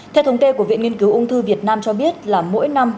theo thống kê của viện nghiên cứu ung thư việt nam cho biết là mỗi năm